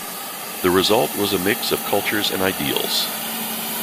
The result was a mix of cultures and ideals.